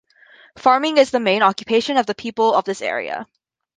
Farming is the main occupation of the people of this area.